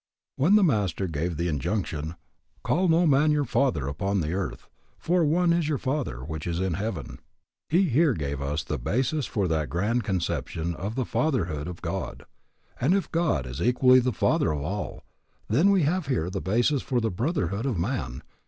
When the Master gave the injunction, Call no man your father upon the earth: for one is your Father, which is in heaven, he here gave us the basis for that grand conception of the fatherhood of God. And if God is equally the Father of all, then we have here the basis for the brotherhood of man.